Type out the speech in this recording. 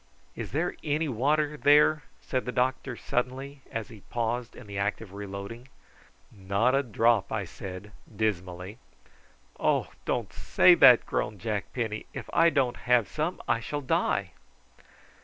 "Is there any water there?" said the doctor suddenly, as he paused in the act of reloading. "Not a drop," I said, dismally. "Oh! don't say that," groaned Jack Penny. "If I don't have some I shall die."